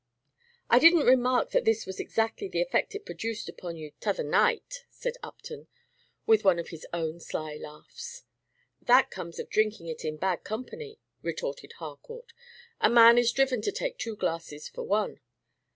"I did n't remark that this was exactly the effect it produced upon you t' other night," said Upton, with one of his own sly laughs. "That comes of drinking it in bad company," retorted Harcourt; "a man is driven to take two glasses for one."